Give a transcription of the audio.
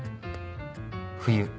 冬。